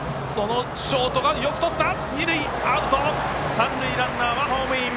三塁ランナーはホームイン。